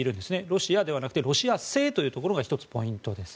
ロシアではなくロシア製というところが１つポイントです。